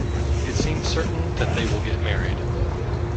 It seems certain that they will get married.